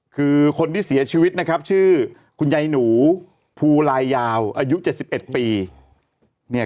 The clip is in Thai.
คือคนที่เสียชีวิตนะครับชื่อคุณยายหนูภูลายยาวอายุ๗๑ปีเนี่ย